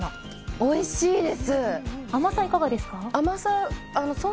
おいしいです。